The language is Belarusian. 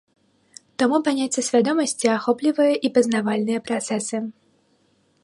Таму паняцце свядомасці ахоплівае і пазнавальныя працэсы.